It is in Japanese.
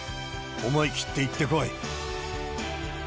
思いきっていってこい。